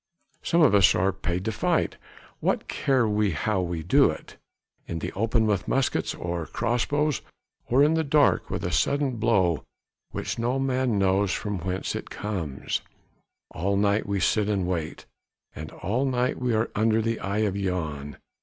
Some of us are paid to fight, what care we how we do it? in the open with muskets or crossbows, or in the dark, with a sudden blow which no man knows from whence it comes. All night we sit and wait, and all night we are under the eye of Jan.